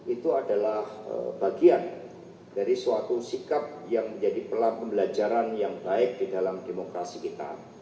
itu adalah bagian dari suatu sikap yang menjadi pembelajaran yang baik di dalam demokrasi kita